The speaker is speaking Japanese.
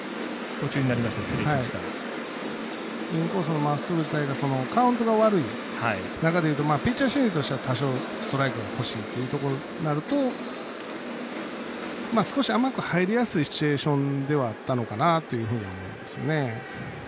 インコースのまっすぐ自体がカウントが悪い中でいうとピッチャー心理としては多少ストライクが欲しいというところになると少し甘く入りやすいシチュエーションではあったのかなという気がします。